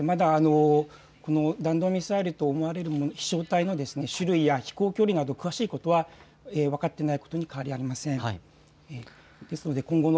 ただ、弾道ミサイルと思われる飛しょう体の種類や飛行距離など詳しいことは分かっていないことに変わりはありません。